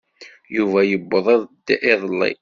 Yuba yewweḍ iḍelli.